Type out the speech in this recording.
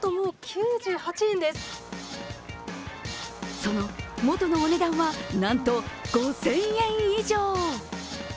その元のお値段は、なんと５０００円以上。